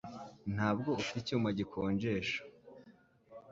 Ntabwo ufite icyuma gikonjesha